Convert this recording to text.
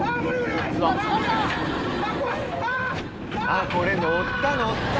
あっこれ乗った乗った。